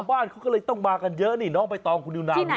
บ้านเขาก็เลยต้องมากันเยอะนี่น้องไปตองคุณอยู่น้ำนี่สิครับ